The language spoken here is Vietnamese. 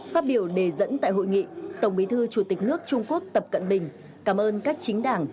phát biểu đề dẫn tại hội nghị tổng bí thư chủ tịch nước trung quốc tập cận bình cảm ơn các chính đảng